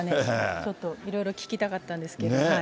ちょっと、いろいろ聞きたかったんですけど。